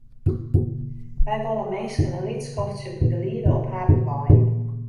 Wy wolle minsken in lyts skoftsje begeliede op harren wei.